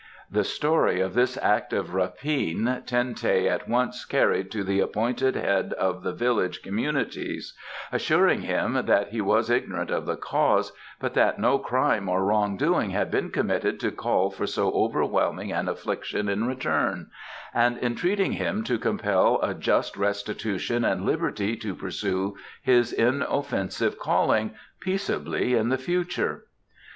The story of this act of rapine Ten teh at once carried to the appointed head of the village communities, assuring him that he was ignorant of the cause, but that no crime or wrong doing had been committed to call for so overwhelming an affliction in return, and entreating him to compel a just restitution and liberty to pursue his inoffensive calling peaceably in the future.